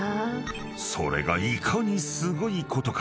［それがいかにすごいことか］